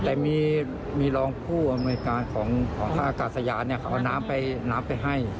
แต่มีมีรองผู้อเมริกาของข้าวอากาศยานเนี่ยค่ะเอาน้ำไปน้ำไปให้